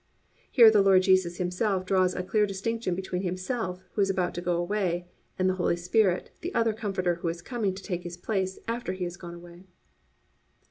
"+ _Here the Lord Jesus Himself draws a clear distinction between Himself, who is about to go away, and the Holy Spirit, the other Comforter who is coming to take His place after He has gone away.